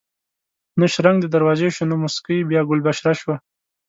نه شرنګ د دروازې شو نه موسکۍ بیا ګل بشره شوه